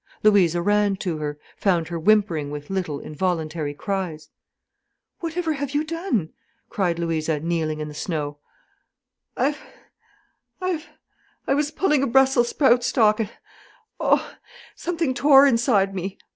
Louisa ran to her, found her whimpering with little, involuntary cries. "Whatever have you done?" cried Louisa, kneeling in the snow. "I've—I've—I was pulling a brussel sprout stalk—and—oh h!—something tore inside me.